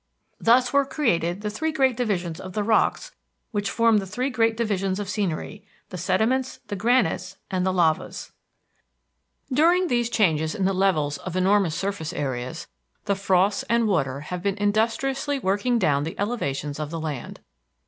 Thus were created the three great divisions of the rocks which form the three great divisions of scenery, the sediments, the granites, and the lavas. During these changes in the levels of enormous surface areas, the frosts and water have been industriously working down the elevations of the land.